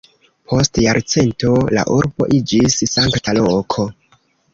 Post jarcento la urbo iĝis sankta loko.